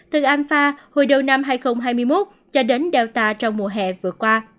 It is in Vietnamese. từ alpha hồi đầu năm hai nghìn hai mươi một cho đến delta trong mùa hè vừa qua